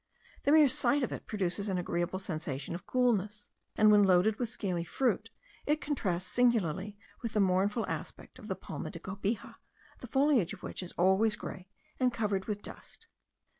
The mere sight of it produces an agreeable sensation of coolness, and when loaded with scaly fruit, it contrasts singularly with the mournful aspect of the palma de cobija, the foliage of which is always grey and covered with dust.